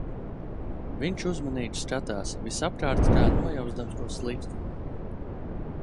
Viņš uzmanīgi skatās visapkārt, kā nojauzdams ko sliktu.